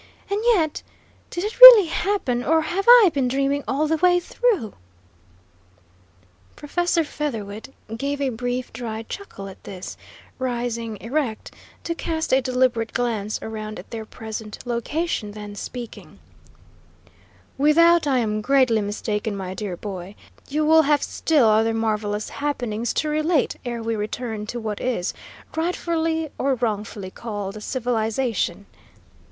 And yet, did it really happen, or have I been dreaming all the way through?" Professor Featherwit gave a brief, dry chuckle at this, rising erect to cast a deliberate glance around their present location, then speaking: "Without I am greatly mistaken, my dear boy, you will have still other marvellous happenings to relate ere we return to what is, rightfully or wrongfully, called civilisation."